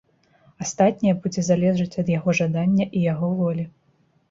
Астатняе будзе залежыць ад яго жадання і яго волі.